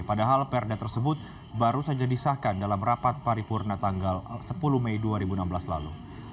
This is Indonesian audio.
padahal perda tersebut baru saja disahkan dalam rapat paripurna tanggal sepuluh mei dua ribu enam belas lalu